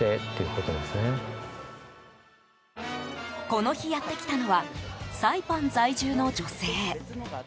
この日やってきたのはサイパン在住の女性。